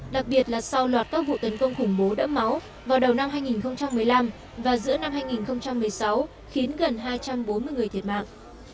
đặc biệt là sau loạt các vụ tấn công khủng bố đẫm máu vào đầu năm hai nghìn một mươi năm và giữa năm hai nghìn một mươi sáu khiến gần hai trăm bốn mươi người thiệt mạng